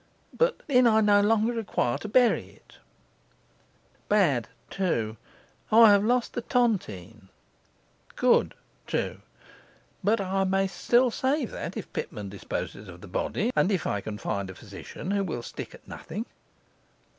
But then I no longer require to bury it. 2. I have lost the tontine. 2.But I may still save that if Pitman disposes of the body, and if I can find a physician who will stick at nothing.